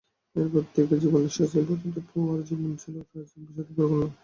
এরপর থেকে জীবনের শেষদিন পর্যন্ত পো-এর জীবন ছিল ট্র্যাজিক বিষাদে পরিপূর্ণ।